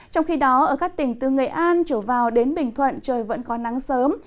trong khi đó ở các tỉnh từ nghệ an trở vào đến bình thuận trời vẫn có nắng sớm